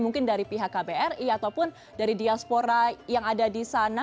mungkin dari pihak kbri ataupun dari diaspora yang ada di sana